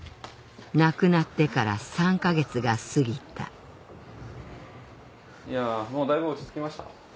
亡くなってから３か月が過ぎたいやもうだいぶ落ち着きました？